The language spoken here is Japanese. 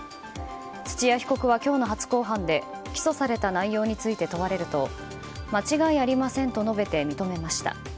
土屋被告は今日の初公判で起訴された内容について問われると間違いありませんと述べて認めました。